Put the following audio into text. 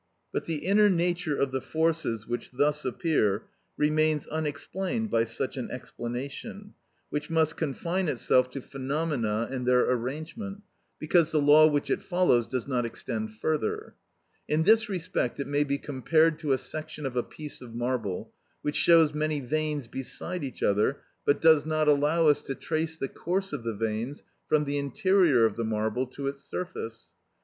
But the inner nature of the forces which thus appear remains unexplained by such an explanation, which must confine itself to phenomena and their arrangement, because the law which it follows does not extend further. In this respect it may be compared to a section of a piece of marble which shows many veins beside each other, but does not allow us to trace the course of the veins from the interior of the marble to its surface.